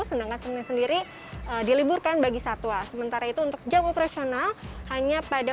sedangkan senin sendiri diliburkan bagi satwa sementara itu untuk jam operasional hanya pada